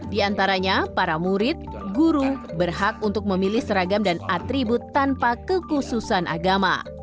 di antaranya para murid guru berhak untuk memilih seragam dan atribut tanpa kekhususan agama